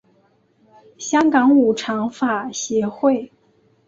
香港五常法协会